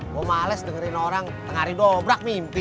gue males dengerin orang tengah ridobrak mimpi